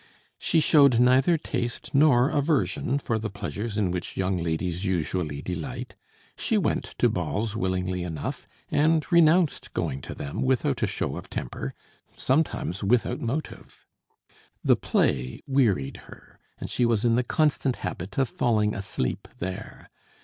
She showed neither taste nor aversion for the pleasures in which young ladies usually delight. She went to balls willingly enough, and renounced going to them without a show of temper, sometimes without motive. The play wearied her, and she was in the constant habit of falling asleep there.